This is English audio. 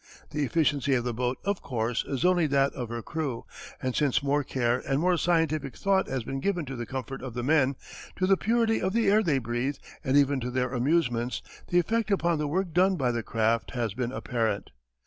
The efficiency of the boat of course is only that of her crew, and since more care and more scientific thought has been given to the comfort of the men, to the purity of the air they breathe, and even to their amusements, the effect upon the work done by the craft has been apparent.